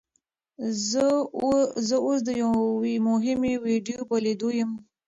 زه اوس د یوې مهمې ویډیو په لیدو یم.